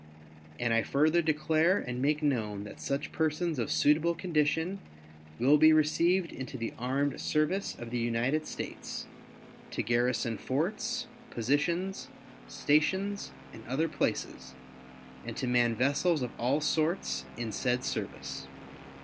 And I further declare and make known that such persons of suitable condition will be received into the armed service of the United States, to garrison forts, positions, stations, and other places, and to man vessels of all sorts in said service.